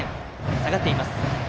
下がっています。